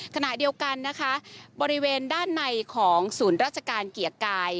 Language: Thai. ขณะเดียวกันนะคะบริเวณด้านในของศูนย์ราชการเกียรติกาย